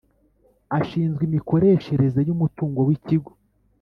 Ashinzwe imikoreshereze y’umutungo w’Ikigo